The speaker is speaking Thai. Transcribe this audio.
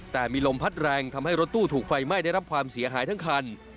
แต่มีลมพัดแรงทำให้รถตู้ถูกไฟไหม้ได้รับความเสียหายทั้งคัน